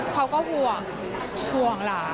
เขาก็ห่วงห่วงหลาน